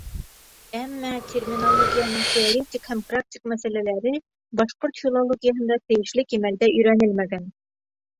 Әммә терминологияның теоретик һәм практик мәсьәләләре башҡорт филологияһында тейешле кимәлдә өйрәнелмәгән.